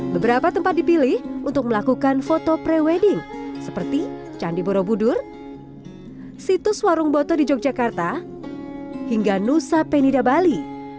beberapa tempat dipilih untuk melakukan foto pre wedding seperti candi borobudur situs warung boto di yogyakarta hingga nusa penida bali